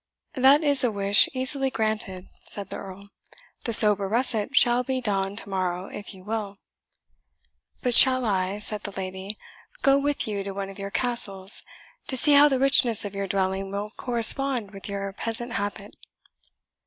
"That is a wish easily granted," said the Earl "the sober russet shall be donned to morrow, if you will." "But shall I," said the lady, "go with you to one of your castles, to see how the richness of your dwelling will correspond with your peasant habit?"